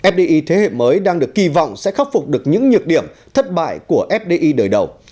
fdi thế hệ mới đang được kỳ vọng sẽ khắc phục được những nhược điểm thất bại của fdi đời đầu